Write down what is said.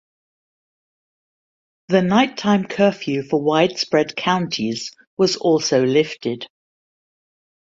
The nighttime curfew for Widespread counties was also lifted.